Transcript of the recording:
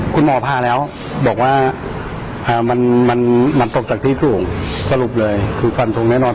คุณหมอพาแล้วบอกว่ามันมันตกจากที่สูงสรุปเลยคือฟันทงแน่นอน